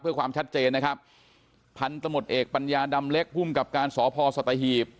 เพื่อความชัดเจนนะครับพันธมตเอกปัญญาดำเล็กภูมิกับการสพสัตหีบ